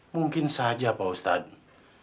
mungkin saja pak ustadz